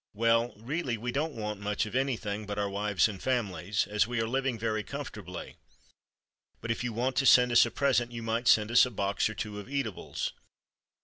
Well, really, we don't want much of anything but our wives and families, as we are living very comfortably; but if you want to send us a present you might send us a box or two of eatables.